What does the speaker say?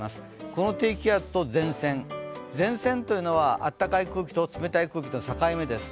この低気圧と前線、前線というのはあったかい空気と冷たい空気の境目です。